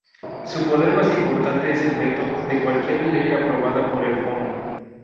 Su poder más importante es el veto de cualquiera ley aprobada por el Fono.